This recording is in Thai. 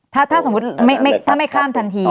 ถ้าสมมุติถ้าไม่ข้ามทันที